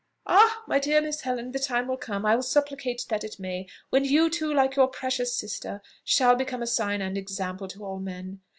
"Ah! my dear Miss Helen! The time will come I will supplicate that it may when you too, like your precious sister, shall become a sign and example to all men.